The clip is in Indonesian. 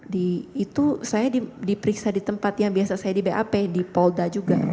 di itu saya diperiksa di tempat yang biasa saya di bap di polda juga